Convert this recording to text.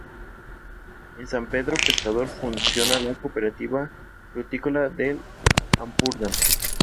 En San Pedro Pescador funciona la Cooperativa Frutícola del Ampurdán.